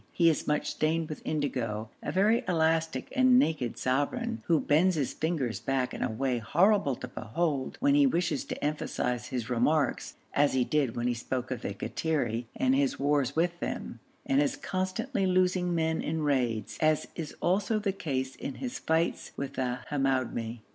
He is much stained with indigo, a very elastic and naked sovereign, who bends his fingers back in a way horrible to behold when he wishes to emphasise his remarks, as he did when he spoke of the Kattiri and his wars with them, and his constantly losing men in raids, as is also the case in his fights with the Hamoumi.